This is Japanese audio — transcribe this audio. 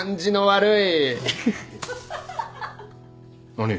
何？